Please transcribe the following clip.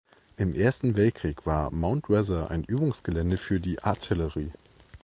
Im Ersten Weltkrieg war Mount Weather ein Übungsgelände für die Artillerie.